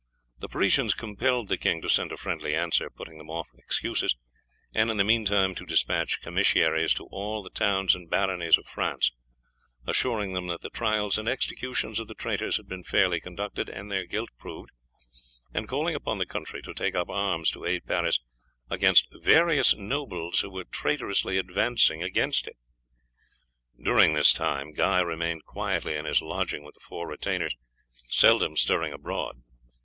The Parisians compelled the king to send a friendly answer, putting them off with excuses, and in the meantime to despatch commissaries to all the towns and baronies of France assuring them that the trials and executions of the traitors had been fairly conducted and their guilt proved, and calling upon the country to take up arms to aid Paris against various nobles who were traitorously advancing against it. During this time Guy remained quietly in his lodging with the four retainers, seldom stirring abroad.